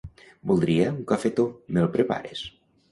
Voldria un cafetó, me'l prepares?